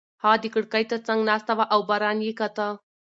هغه د کړکۍ تر څنګ ناسته وه او باران یې کاته.